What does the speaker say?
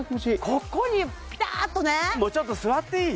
ここにピターッとねもうちょっと座っていい？